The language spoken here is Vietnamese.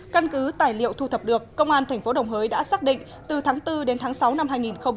căn cứ tài liệu thu thập được công an tp đồng hới đã xác định từ tháng bốn đến tháng sáu năm hai nghìn hai mươi